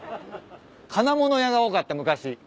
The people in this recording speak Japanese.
金物屋が多かった昔。